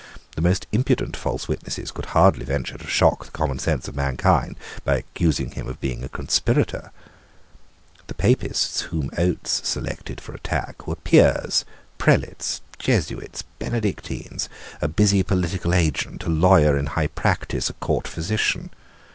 The most impudent false witnesses could hardly venture to shock the common sense of mankind by accusing him of being a conspirator. The Papists whom Oates selected for attack were peers, prelates, Jesuits, Benedictines, a busy political agent, a lawyer in high practice, a court physician.